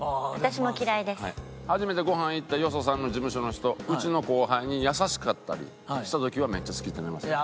初めてごはん行ったよそさんの事務所の人うちの後輩に優しかったりした時はめっちゃ好きってなりますね。